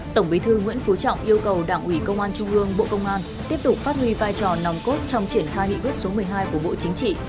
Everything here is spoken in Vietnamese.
tổng bí thư nguyễn phú trọng yêu cầu đảng ủy công an trung ương bộ công an tiếp tục phát huy vai trò nòng cốt trong triển khai nghị quyết số một mươi hai của bộ chính trị